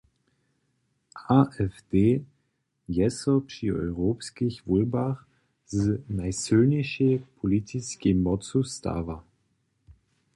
AfD je so při europskich wólbach z najsylnišej politiskej mocu stała.